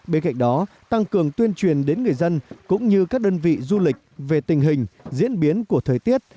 bên cạnh đó tăng cường tuyên truyền đến người dân cũng như các đơn vị du lịch về tình hình diễn biến của thời tiết